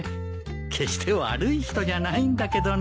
決して悪い人じゃないんだけどね。